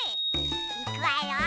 いくわよ！